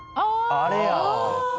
あれやわ。